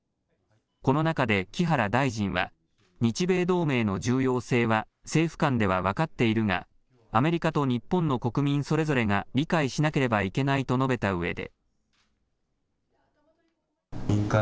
この中で木原大臣は日米同盟の重要性は政府間では分かっているがアメリカと日本の国民それぞれが理解しなければいけないと述べたうえで。